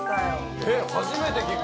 えっ、初めて聞く。